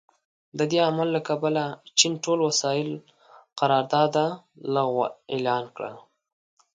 د دې عمل له کبله چین ټول وسايلو قرارداد لغوه اعلان کړ.